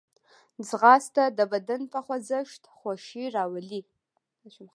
ځغاسته د بدن په خوځښت خوښي راولي